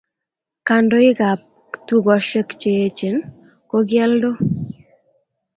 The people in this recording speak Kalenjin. Kandoik ab tukoshek che yechen ko kiyaldo